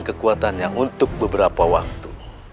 kekuatannya untuk beberapa waktu